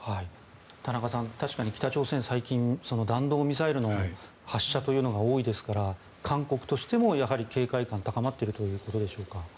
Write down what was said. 田中さん、確かに北朝鮮、最近弾道ミサイルの発射というのが多いですから韓国としても警戒感が高まっているということでしょうか。